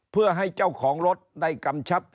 เพื่อให้เจ้าของรถได้กำชับ